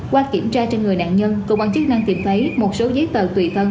qua kiểm tra trên người nạn nhân cộng quan chức đang tìm thấy một số giấy tờ tùy thân